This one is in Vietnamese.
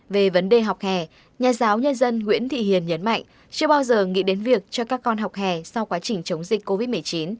về vấn đề học hè nhà giáo nhân dân nguyễn thị hiền nhấn mạnh chưa bao giờ nghĩ đến việc cho các con học hè sau quá trình chống dịch covid một mươi chín